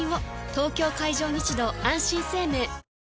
東京海上日動あんしん生命